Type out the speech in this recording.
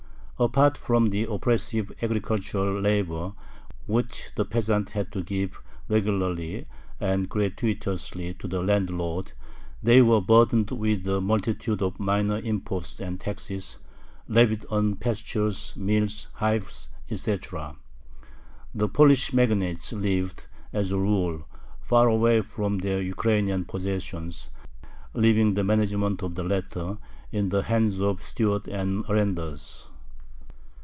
Apart from the oppressive agricultural labor, which the peasants had to give regularly and gratuitously to the landlord, they were burdened with a multitude of minor imposts and taxes, levied on pastures, mills, hives, etc. The Polish magnates lived, as a rule, far away from their Ukrainian possessions, leaving the management of the latter in the hands of stewards and arendars.